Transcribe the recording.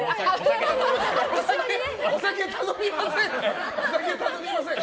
お酒頼みません。